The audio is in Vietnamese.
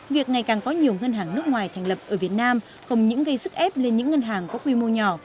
việc ngày càng có nhiều ngân hàng nước ngoài thành lập ở việt nam không những gây sức ép lên những ngân hàng có quy mô nhỏ